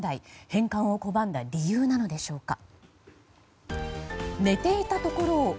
返還を拒んだ理由なのでしょうか。